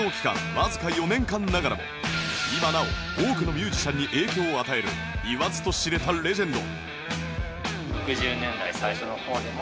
わずか４年間ながらも今なお多くのミュージシャンに影響を与える言わずと知れたレジェンド